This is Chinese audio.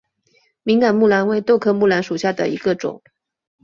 敏感木蓝为豆科木蓝属下的一个种。